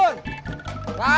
garut garut garut